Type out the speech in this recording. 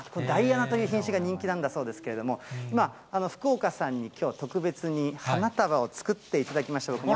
ダイアナという品種が人気なんだそうですけれども、福岡さんにきょうは特別に花束を作っていただきましょう。